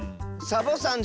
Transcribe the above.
サボさん？